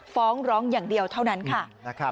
ฟ้องร้องอย่างเดียวเท่านั้นค่ะ